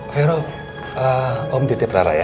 vero om titip rara ya